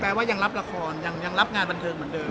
ว่ายังรับละครยังรับงานบันเทิงเหมือนเดิม